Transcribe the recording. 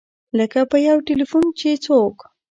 لکه په یو ټیلفون چې څوک.